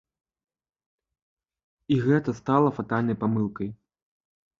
І гэта стала фатальнай памылкай.